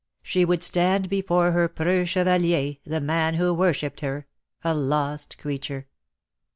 She would stand before her preux chevalier, the man who worshipped her, a lost creature.